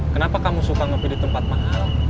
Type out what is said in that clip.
kenapa kamu suka ngopi di tempat mahal